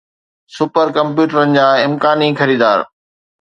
super ڪمپيوٽرن جا امڪاني خريدار